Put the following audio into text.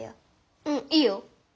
うんいいよ。